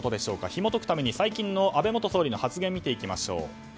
ひも解くために最近の安倍元総理の発言を見ていきましょう。